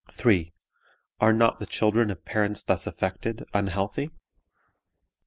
"3. Are not the children of parents thus affected unhealthy? "4.